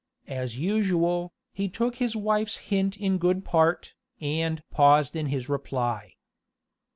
As usual, he took his wife's hint in good part, and "paused in his reply."